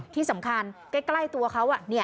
ที่สำคัญใกล้ตัวเขา